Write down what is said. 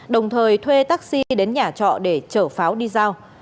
đồng thời thuê taxi đến nhà trọ để chở pháo đi giao